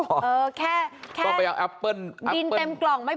ออกไม่พอแค่ดีนเต็มกล่องไม่พอ